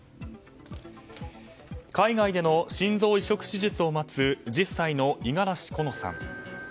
海外での心臓移植手術を待つ１０歳の五十嵐好乃さん。